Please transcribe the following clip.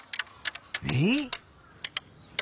えっ？